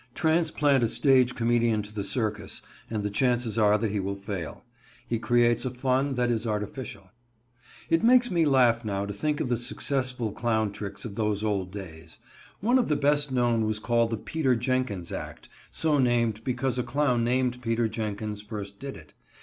Transplant a stage comedian to the circus, and the chances are that he will fail. He creates a fun that is artificial. It makes me laugh now to think of the successful clown tricks of those old days. One of the best known was called the "Peter Jenkins Act," so named because a clown named Peter Jenkins first did it.